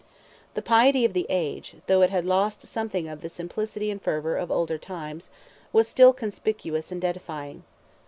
The piety of the age, though it had lost something of the simplicity and fervour of older times, was still conspicuous and edifying.